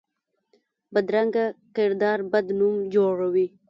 بدرنګه کردار بد نوم جوړوي